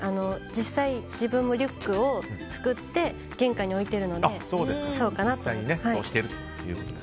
実際に自分もリュックを作って玄関に置いてるので実際にそうしていると。